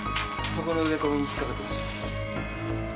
そこの植え込みにひっかかってました。